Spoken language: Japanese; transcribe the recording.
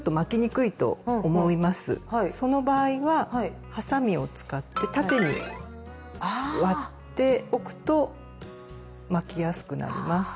その場合ははさみを使って縦に割っておくと巻きやすくなります。